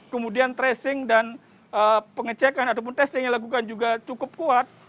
kemudian tracing dan pengecekan ataupun testing yang dilakukan juga cukup kuat